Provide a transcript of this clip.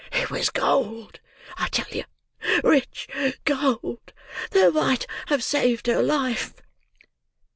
It was gold, I tell you! Rich gold, that might have saved her life!"